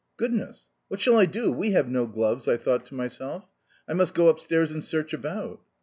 "Goodness! What shall I do? We have no gloves," I thought to myself. "I must go upstairs and search about."